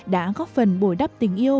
đã góp phần bồi đắp tình yêu